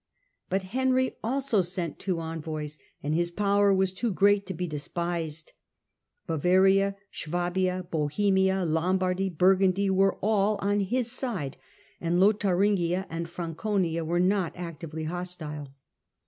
But Henry also sent two envoys, and his power was too great to be despised. Bavaria, Swabia, Bohemia, Lombardy, Burgundy were all on his side, and Lotharingia and Franconia were not actively hostile.